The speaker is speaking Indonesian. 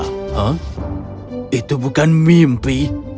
hah itu bukan mimpi